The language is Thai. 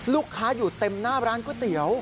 ลูกค้าอยู่เต็มหน้าร้านก๋วยเตี๋ยว